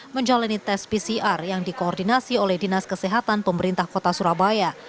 menjalani tes pcr yang dikoordinasi oleh dinas kesehatan pemerintah kota surabaya